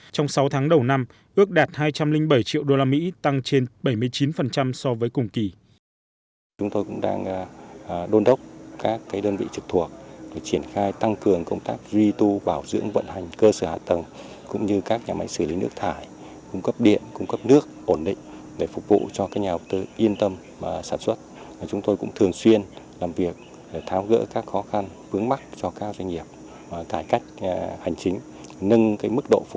trong sáu tháng đầu năm ước đạt hai trăm linh bảy triệu usd tăng trên bảy mươi chín so với cùng kỳ